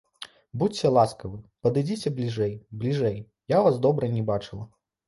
Будзьце ласкавы, падыдзіце бліжэй, бліжэй, я вас добра не бачыла.